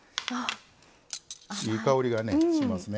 いい香りがねしますね。